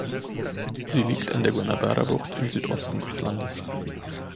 Sie liegt an der Guanabara-Bucht im Südosten des Landes.